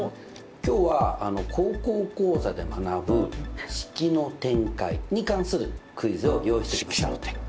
今日は「高校講座」で学ぶ式の展開に関するクイズを用意してきました！